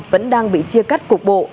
vẫn đang bị chia cắt cục bộ